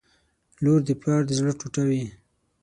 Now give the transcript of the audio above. • لور د پلار د زړه ټوټه وي.